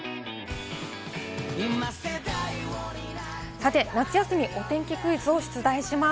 さて夏休みお天気クイズを出題します。